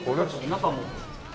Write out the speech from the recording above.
中も。